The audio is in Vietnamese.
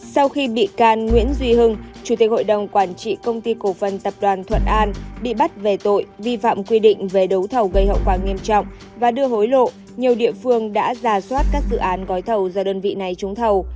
sau khi bị can nguyễn duy hưng chủ tịch hội đồng quản trị công ty cổ phần tập đoàn thuận an bị bắt về tội vi phạm quy định về đấu thầu gây hậu quả nghiêm trọng và đưa hối lộ nhiều địa phương đã ra soát các dự án gói thầu do đơn vị này trúng thầu